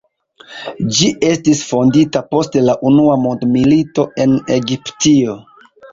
Ĝi estis fondita post la unua mondmilito en Egiptio.